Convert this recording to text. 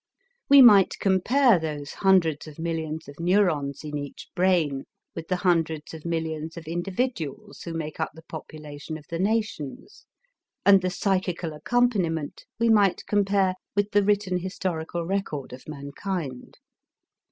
We might compare those hundreds of millions of neurons in each brain with the hundreds of millions of individuals who make up the population of the nations, and the psychical accompaniment we might compare with the written historical record of mankind.